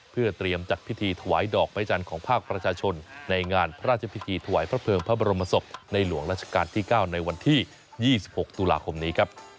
เพื่อเตรียมจัดพิธีถวายดอกไม้จันทร์ของภาคประชาชนในงานพระราชพิธีถวายพระเภิงพระบรมศพในหลวงราชการที่๙ในวันที่๒๖ตุลาคมนี้ครับ